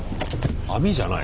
網じゃない。